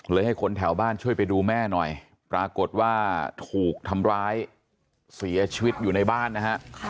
ให้คนแถวบ้านช่วยไปดูแม่หน่อยปรากฏว่าถูกทำร้ายเสียชีวิตอยู่ในบ้านนะฮะ